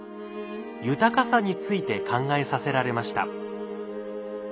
豊かさについて考えさせられました。